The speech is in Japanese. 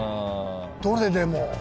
どれでも。